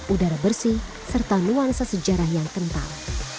udara bersih serta nuansa sejarah yang kental